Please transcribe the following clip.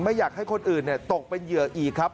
ไม่อยากให้คนอื่นตกเป็นเหยื่ออีกครับ